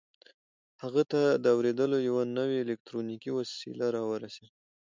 هغه ته د اورېدلو یوه نوې الکټرونیکي وسیله را ورسېده